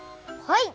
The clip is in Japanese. はい。